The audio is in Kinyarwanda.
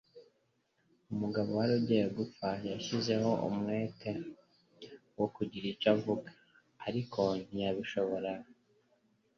Umugabo wari ugiye gupfa yashyizeho umwete wo kugira icyo avuga, ariko ntiyabishobora.